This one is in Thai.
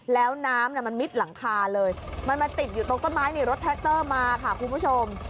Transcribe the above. แล้วน้ำมันมิดหลังคาเลยมันมาติดอยู่ตรงต้นไม้นี่รถแทรคเตอร์มาค่ะคุณผู้ชม